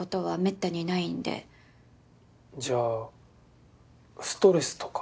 じゃあストレスとか？